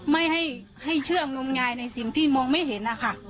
ไม่ให้เชื่องมงายในสิ่งที่มองไม่เห็นนะคะ